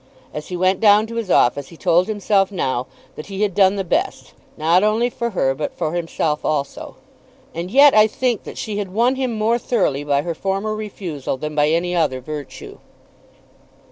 As he went down to his office he told himself now that he had done the best, not only for her but for himself also. And yet I think that she had won him more thoroughly by her former refusal than by any other virtue.